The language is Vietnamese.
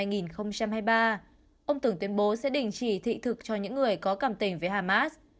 ông tưởng tuyên bố sẽ đình chỉ thị thực cho những người có cảm tình với hamas